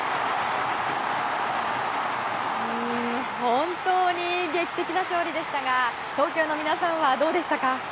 本当に劇的な勝利でしたが東京の皆さんはどうでしたか？